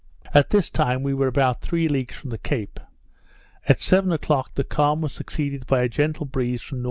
At this time we were about three leagues from the Cape. At seven o'clock the calm was succeeded by a gentle breeze from N.N.